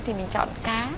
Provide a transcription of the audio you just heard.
thì mình chọn cá